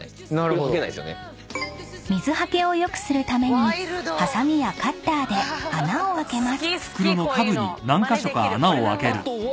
［水はけを良くするためにはさみやカッターで穴を開けます］